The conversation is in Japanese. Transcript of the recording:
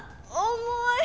おもい。